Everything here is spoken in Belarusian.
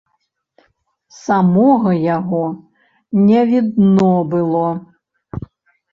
Самога яго не відно было.